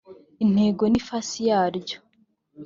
intego n ifasi yaryo